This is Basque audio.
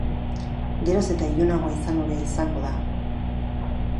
Geroz eta ilunagoa izan hobea izango da.